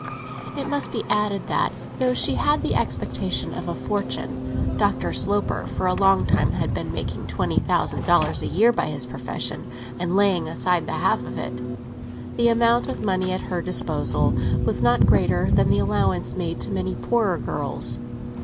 It must be added that though she had the expectation of a fortune—Dr. Sloper for a long time had been making twenty thousand dollars a year by his profession, and laying aside the half of it—the amount of money at her disposal was not greater than the allowance made to many poorer girls.